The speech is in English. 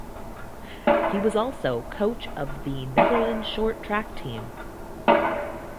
He was also coach of the Netherlands short track team.